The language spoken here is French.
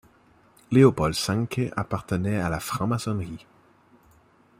Léopold Sancke appartenait à la Franc-maçonnerie.